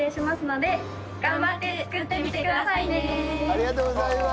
ありがとうございます。